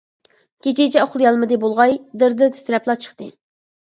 كېچىچە ئۇخلىيالمىدى بولغاي، دىر دىر تىترەپلا چىقتى.